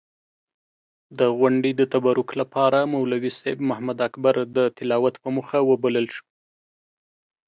د غونډې د تبرک لپاره مولوي صېب محمداکبر د تلاوت پۀ موخه وبلل شو.